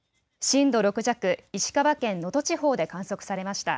震度６弱、石川県能登地方で観測されました。